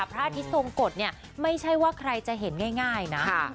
พระอาทิตย์ทรงกฎเนี่ยไม่ใช่ว่าใครจะเห็นง่ายนะ